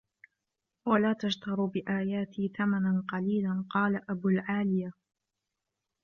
وَلَا تَشْتَرُوا بِآيَاتِي ثَمَنًا قَلِيلًا قَالَ أَبُو الْعَالِيَةِ